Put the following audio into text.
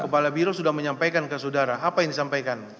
kepala biro sudah menyampaikan ke saudara apa yang disampaikan